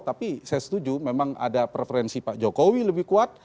tapi saya setuju memang ada preferensi pak jokowi lebih kuat